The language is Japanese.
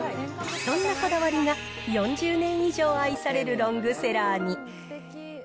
そんなこだわりが、４０年以上愛されるロングセラーに。